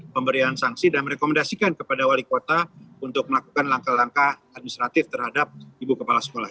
pemberian sanksi dan merekomendasikan kepada wali kota untuk melakukan langkah langkah administratif terhadap ibu kepala sekolah